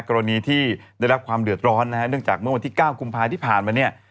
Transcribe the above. กรณีที่ได้รับความเดือดร้อนนะฮะเนื่องจากเมื่อวันที่๙กุมภาที่ผ่านมาเนี่ย